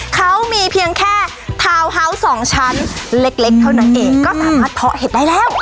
เขามีเพียงแค่ทาวน์เฮาส์สองชั้นเล็กเท่านั้นเองก็สามารถเพาะเห็ดได้แล้ว